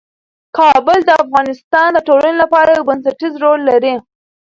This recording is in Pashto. کابل د افغانستان د ټولنې لپاره یو بنسټيز رول لري.